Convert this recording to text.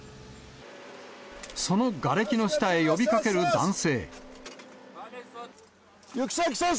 そのがれきの下へ呼びかける男性。